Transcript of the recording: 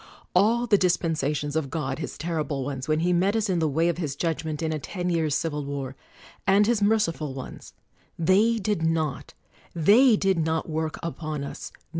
All the dispensations of God — his terrible ones, when he met us in the way of His judgment in a ten years ' civil war, and his merciful ones: they did not, they did not work upon us